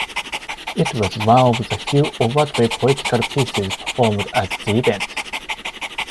It was one of the few overtly political pieces performed at the event.